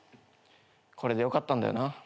これでよかったんだよな。